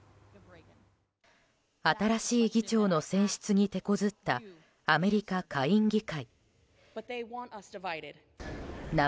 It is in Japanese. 新しい議長の選出にてこずったアメリカ下院議会。